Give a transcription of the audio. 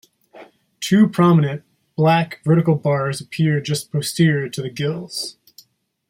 Two prominent, black, vertical bars appear just posterior to the gills.